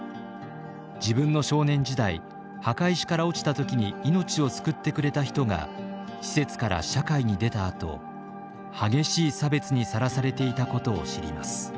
自分の少年時代墓石から落ちた時に命を救ってくれた人が施設から社会に出たあと激しい差別にさらされていたことを知ります。